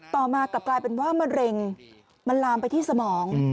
มากลับกลายเป็นว่ามะเร็งมันลามไปที่สมอง